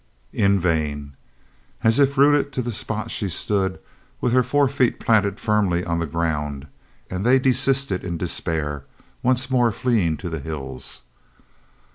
In vain. As if rooted to the spot she stood, with her four feet planted firmly on the ground, and they desisted in despair, once more fleeing to the hills.